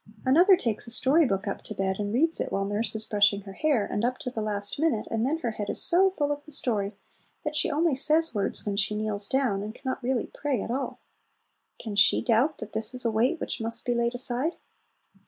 Another takes a story book up to bed, and reads it while nurse is brushing her hair, and up to the last minute, and then her head is so full of the story that she only says words when she kneels down, and can not really pray at all. Can she doubt that this is a weight which must be laid aside?